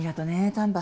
丹波